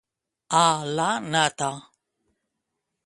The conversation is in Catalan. A la nata.